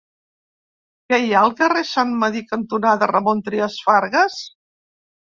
Què hi ha al carrer Sant Medir cantonada Ramon Trias Fargas?